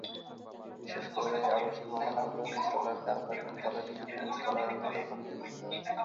বিশেষ করে আবাসিক ভবনগুলোর নিচতলার কার পার্কিং তলাটি শুধু বিম-কলামের ওপর নির্মিত।